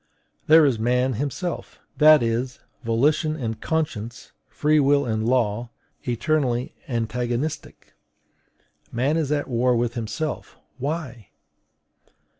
There is man himself; that is, volition and conscience, free will and law, eternally antagonistic. Man is at war with himself: why?